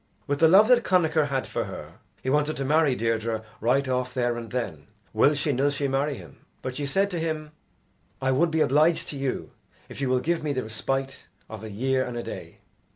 With the love that Connachar had for her, he wanted to marry Deirdre right off there and then, will she nill she marry him. But she said to him, "I would be obliged to you if you will give me the respite of a year and a day."